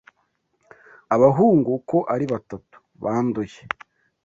Abahungu uko ari batatu banduye